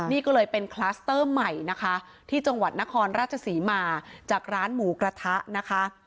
นี่ก็เลยเป็นคลัสเตอร์ใหม่นะคะที่จังหวัดนครราชศรีมาจากร้านหมูกระทะนะคะ